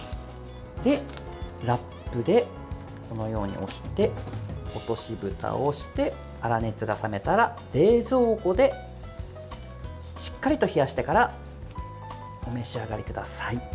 ラップでこのように押して落としぶたをして粗熱が冷めたら冷蔵庫でしっかりと冷やしてからお召し上がりください。